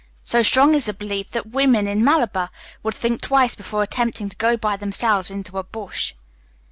So strong is the belief, that women in Malabar would think twice before attempting to go by themselves into a bush.